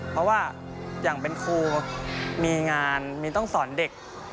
เพราะว่าอย่างเป็นครูมีงานมีต้องสอนเด็ก